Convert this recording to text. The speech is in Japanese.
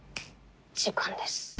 時間です。